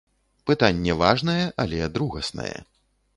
Пытанне важнае, але другаснае.